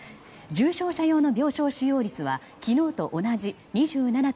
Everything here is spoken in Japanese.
重症者用の病床使用率は昨日と同じ２７．１％。